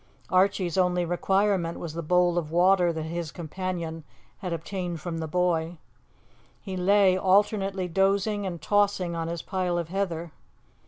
Archie's only requirement was the bowl of water that his companion had obtained from the boy. He lay alternately dozing and tossing on his pile of heather.